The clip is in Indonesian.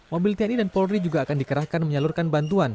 mobil tni dan polri juga akan dikerahkan menyalurkan bantuan